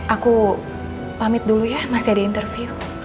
aku pamit dulu ya masih ada interview